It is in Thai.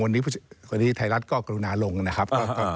วันนี้ไทยรัฐก็กรุณาลงนะครับ